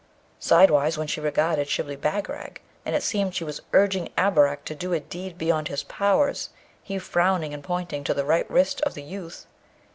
Sideways then she regarded Shibli Bagarag, and it seemed she was urging Abarak to do a deed beyond his powers, he frowning and pointing to the right wrist of the youth.